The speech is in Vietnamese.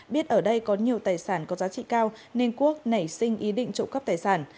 biết ở đây có nhiều tài sản có giá trị cao nên quốc nảy sinh ý định trộm cắp tài sản